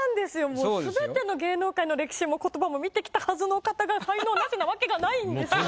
もうすべての芸能界の歴史も言葉も見てきたはずのお方が才能ナシなわけがないんですよ。